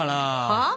はあ？